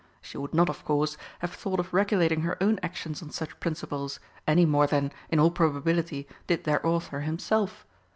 She would not, of course, have thought of regulating her own actions on such principles, any more than, in all probability, did their author himself.